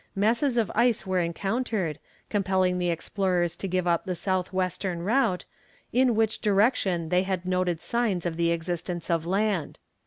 masses of ice were encountered, compelling the explorers to give up the south western route, in which direction they had noted signs of the existence of land.